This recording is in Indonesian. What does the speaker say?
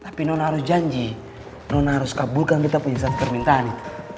tapi nona harus janji nona harus kabulkan kita punya satu permintaan itu